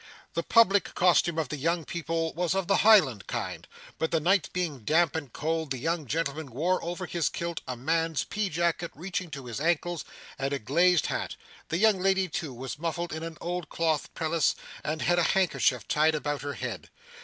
The public costume of the young people was of the Highland kind, but the night being damp and cold, the young gentleman wore over his kilt a man's pea jacket reaching to his ankles, and a glazed hat; the young lady too was muffled in an old cloth pelisse and had a handkerchief tied about her head.